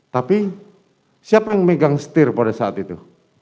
tapi siapa yang megang setir pada saat itu